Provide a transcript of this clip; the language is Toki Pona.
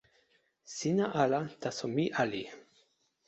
sina ala, taso mi ali.